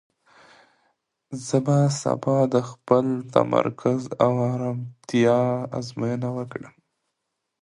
زه به سبا د خپل تمرکز او ارامتیا ازموینه وکړم.